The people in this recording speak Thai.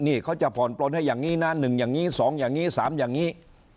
นี่เขาจะผ่อนปลนให้อย่างนี้นะ๑อย่างนี้๒อย่างนี้๓อย่างนี้